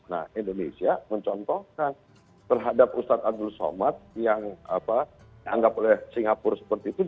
nah indonesia mencontohkan terhadap ustadz abdul somad yang dianggap oleh singapura seperti itu